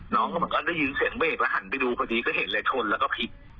น้องก็เหมือนก็ได้ยินเสียงเบรกแล้วหันไปดูพอดีก็เห็นเลยชนแล้วก็พลิก